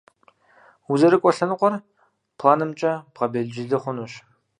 УзэрыкӀуэ лъэныкъуэр планымкӀэ бгъэбелджылы хъунущ.